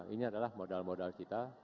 ini adalah modal modal kita